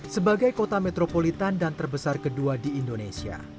sebagai kota metropolitan dan terbesar kedua di indonesia